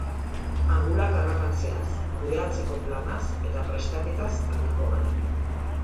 Angulak harrapatzeaz, kudeatzeko planaz eta prestaketaz ariko gara.